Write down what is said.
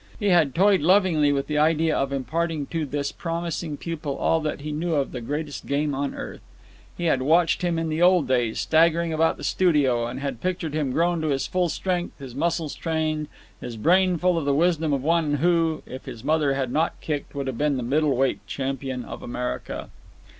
He had toyed lovingly with the idea of imparting to this promising pupil all that he knew of the greatest game on earth. He had watched him in the old days staggering about the studio, and had pictured him grown to his full strength, his muscles trained, his brain full of the wisdom of one who, if his mother had not kicked, would have been middle weight champion of America.